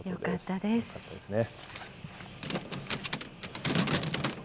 よかったですね。